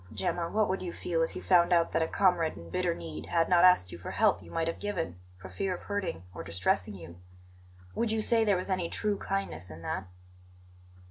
"Gemma, what would you feel if you found out that a comrade in bitter need had not asked you for help you might have given, for fear of hurting or distressing you? Would you say there was any true kindness in that?"